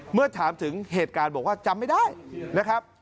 เมื่อถามถึงเหตุการณ์บอกว่าจำไม่ได้นะครับ